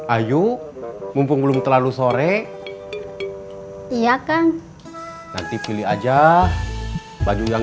ayu mumpung belum terlalu sore iya kan nanti pilih aja baju yang